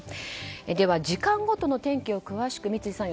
では、時間ごとの天気を詳しく三井さん